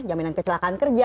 jaminan kecelakaan kerja